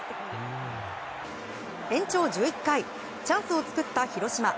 延長１１回チャンスを作った広島。